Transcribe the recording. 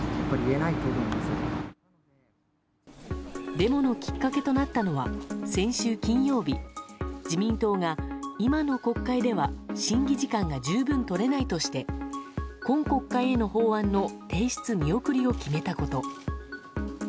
デモのきっかけとなったのは先週金曜日自民党が、今の国会では審議時間が十分とれないとして今国会への法案の提出見送りを決めたこと。